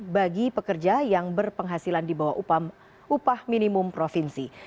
bagi pekerja yang berpenghasilan di bawah upah minimum provinsi